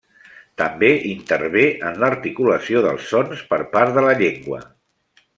També intervé en l'articulació dels sons per part de la llengua.